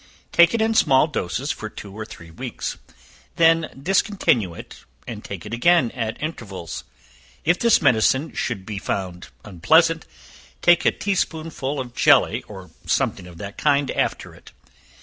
Take it in small doses for two or three weeks, then discontinue it, and take it again at intervals. If this medicine should be found unpleasant, take a tea spoonful of jelly, or something of that kind after it.